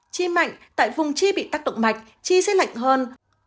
chi mạnh tại vùng chi bị tác động mạch chi sẽ lạnh hơn